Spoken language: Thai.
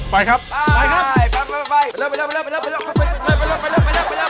ไปครับไปครับ